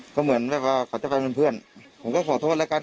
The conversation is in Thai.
ก็เหมือนแบบว่าเขาจะไปเป็นเพื่อนผมก็ขอโทษแล้วกัน